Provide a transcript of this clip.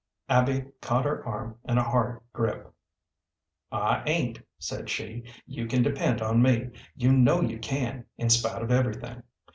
Abby caught her arm in a hard grip. "I ain't," said she; "you can depend on me. You know you can, in spite of everything.